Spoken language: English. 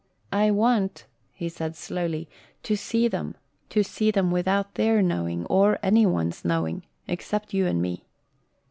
"I want," he said slowly, "to see them to see them without their knowing or any one's knowing except you and me."